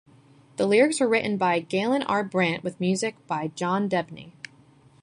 The lyrics were written by Galen R. Brandt with music by John Debney.